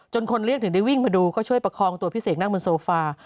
คนเรียกถึงได้วิ่งมาดูก็ช่วยประคองตัวพี่เสกนั่งบนโซฟา